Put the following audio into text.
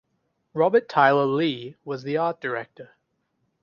Robert Tyler Lee was the art director.